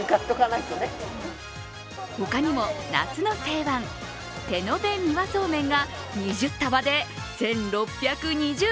ほかにも、夏の定番、手延べ三輪そうめんが２０束で１６２０円。